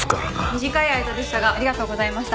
短い間でしたがありがとうございました。